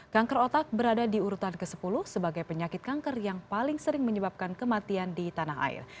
kanker otak berada di urutan ke sepuluh sebagai penyakit kanker yang paling sering menyebabkan kematian di tanah air